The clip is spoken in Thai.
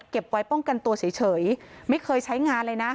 ไว้ป้องกันตัวเฉยไม่เคยใช้งานเลยนะ